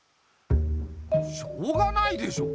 しょうがないでしょ。